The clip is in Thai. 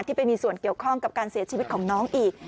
ไปมีส่วนเกี่ยวข้องกับการเสียชีวิตของน้องอีก